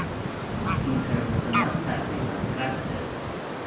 اینترنت من تقریباً قطعه.